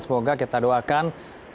semoga kita doakan